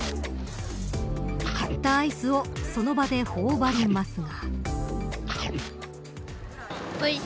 買ったアイスをその場で頬張りますが。